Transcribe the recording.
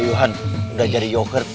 yuhan udah jadi yogurt